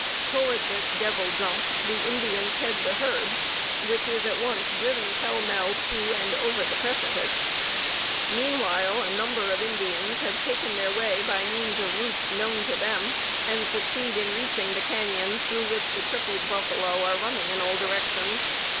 Toward this 'devil jump' the Indians head the herd, which is at once driven pell mell to and over the precipice. Meanwhile a number of Indians have taken their way by means of routes known to them, and succeed in reaching the cañon through which the crippled buffalo are running in all directions.